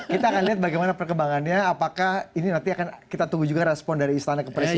kita akan lihat bagaimana perkembangannya apakah ini nanti akan kita tunggu juga respon dari istana kepresiden